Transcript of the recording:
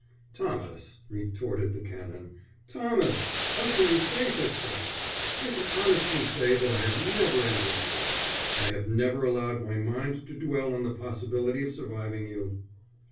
"Thomas," retorted the Canon, "Thomas, how can you say such things! I can honestly say that I have never envied you. I have never allowed my mind to dwell on the possibility of surviving you."